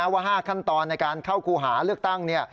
ว่า๕ขั้นตอนในการเข้าครูหาเลือกตั้ง